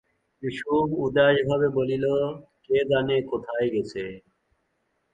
কুসুম উদাসভাবে বলিল, কে জানে কোথায় গেছে!